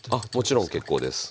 もちろん結構です。